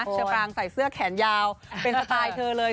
เชอปรางใส่เสื้อแขนยาวเป็นสไตล์เธอเลย